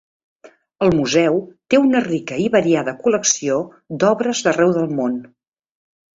El museu té una rica i variada col·lecció d'obres d'arreu del món.